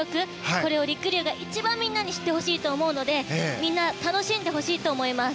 これをりくりゅうが、一番みんなに知ってほしいと思うのでみんな楽しんでほしいと思います。